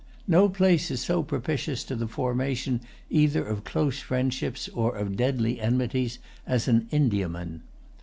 No place is so propitious to the formation either of close friendships or of deadly enmities as an Indiaman.